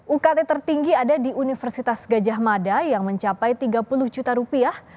ukt tertinggi ada di universitas gajah mada yang mencapai tiga puluh juta rupiah